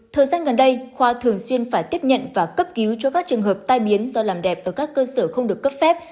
thời gian gần đây khoa thường xuyên phải tiếp nhận và cấp cứu cho các trường hợp tai biến do làm đẹp ở các cơ sở không được cấp phép